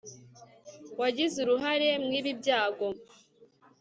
wagize uruhare mw'ibi byago